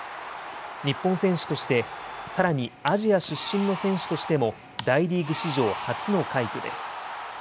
日本選手として、さらにアジア出身の選手としても大リーグ史上初の快挙です。